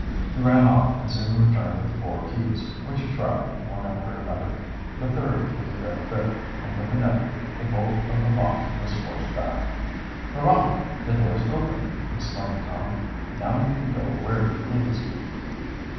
He ran off and soon returned with four keys, which he tried, one after another. The third was a fair fit, and with an effort the bolt of the lock was forced back. "Hurrah! the door's open!" exclaimed Tom. "Now you can go where you please."